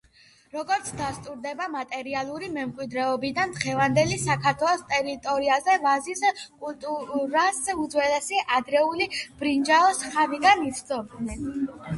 როგორც დასტურდება მატერიალური მემკვიდრეობიდან, დღევანდელი საქართველოს ტერიტორიაზე ვაზის კულტურას უძველესი, ადრეული ბრინჯაოს ხანიდან იცნობდნენ.